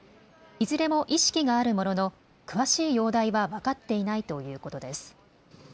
いずれも意識があるものの詳しい容体は分かっていないということです。